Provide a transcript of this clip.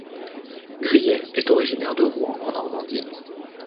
Grillet est originaire de Rouen en Normandie.